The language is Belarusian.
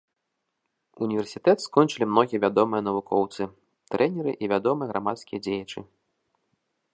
Універсітэт скончылі многія вядомыя навукоўцы, трэнеры і вядомыя грамадскія дзеячы.